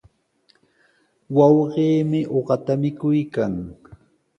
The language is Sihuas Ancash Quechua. Wawqiimi uqata mikuykan.